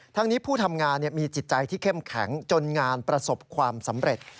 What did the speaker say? ทั้งนี้ผู้ทำงานมีจิตใจที่เข้มแข็งจนงานประสบความสำเร็จ